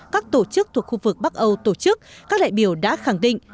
các tổ chức thuộc khu vực bắc âu tổ chức các đại biểu đã khẳng định